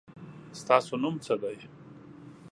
ستاسو نوم څه دی؟